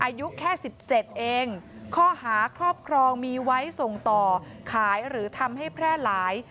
อายุแค่สิบเจ็ดเองข้อหาครอบครองมีไว้ส่งต่อขายหรือทำให้แพร่หลาย